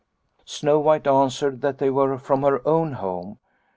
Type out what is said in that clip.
' Snow White answered that they were from her own home.